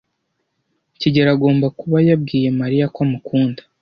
kigeli agomba kuba yabwiye Mariya ko amukunda.